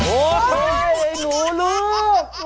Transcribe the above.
โอ้โฮเห้ยไอ้หนูลูก